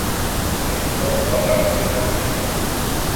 Precisamos falar sobre o racismo